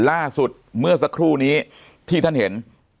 ล่าสุดเมื่อสักครู่นี้ที่ท่านเห็น